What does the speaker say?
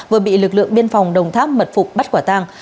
vừa bị lực lượng biên phòng đồng tháp mật phục bắt quả tang